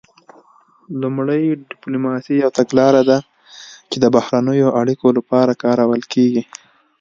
لومړی ډیپلوماسي یوه تګلاره ده چې د بهرنیو اړیکو لپاره کارول کیږي